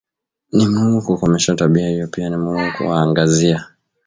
Ni muhimu kukomesha tabia hiyo pia ni muhimu kuwaangazia